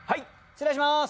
・失礼します！